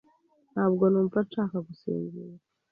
Ntabwo numva nshaka gusinzira.